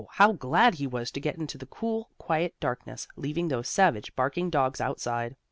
how glad he was to get into the cool, quiet darkness, leaving those savage, barking dogs outside.